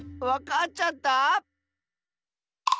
わかっちゃった？